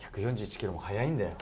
１４１キロも速いんだよ。